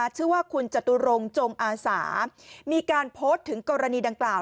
ชื่อว่าคุณจตุรงจงอาสามีการโพสถึงกรณีดังกล่าว